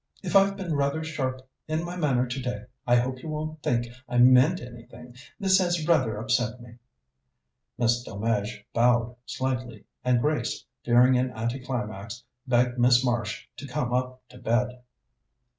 "If I've been rather sharp in my manner today, I hope you won't think I meant anything. This has rather upset me." Miss Delmege bowed slightly, and Grace, fearing an anticlimax, begged Miss Marsh to come up to bed.